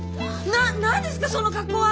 な何ですかその格好は！